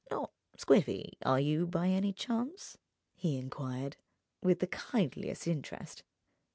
"Not squiffy, are you, by any chance?" he enquired with the kindliest interest.